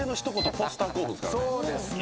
ポスター候補ですからね。